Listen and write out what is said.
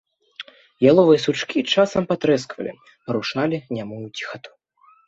Яловыя сучкі часамі патрэсквалі, парушалі нямую ціхату.